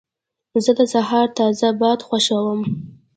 زه د سهار تازه باد خوښوم.